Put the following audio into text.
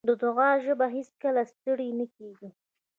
د دعا ژبه هېڅکله ستړې نه کېږي.